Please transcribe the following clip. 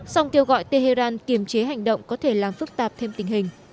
song kêu gọi tehran kiềm chế hành động có thể làm phức tạp thêm tình hình